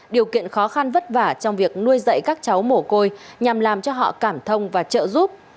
điều kiện khó khăn vất vả trong việc nuôi dạy các cháu mổ côi nhằm làm cho họ cảm thông và trợ giúp